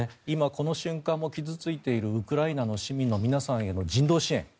今、この瞬間も傷付いているウクライナの市民の皆さんへの人道支援。